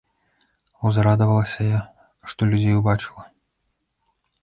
Узрадавалася я, што людзей убачыла.